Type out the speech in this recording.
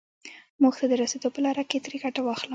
موخې ته د رسېدو په لاره کې ترې ګټه واخلم.